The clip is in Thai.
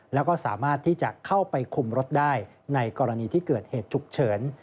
แล้วก็สามารถที่จะเข้าไปคุมรถได้ในกรณีที่เกิดเหตุฉุกเฉิน